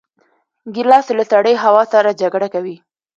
ګیلاس له سړې هوا سره جګړه کوي.